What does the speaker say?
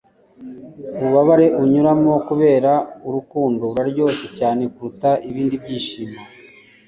Ububabare unyuramo kubera urukundo buraryoshye cyane kuruta ibindi byishimo